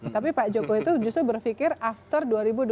tapi pak jokowi itu justru berpikir after dua ribu dua puluh